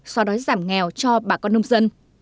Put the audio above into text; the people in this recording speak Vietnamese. so với giảm nghèo cho bà con nông dân